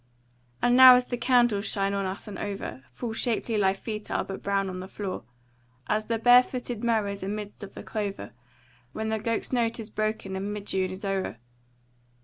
And now as the candles shine on us and over, Full shapely thy feet are, but brown on the floor, As the bare footed mowers amidst of the clover When the gowk's note is broken and mid June is o'er.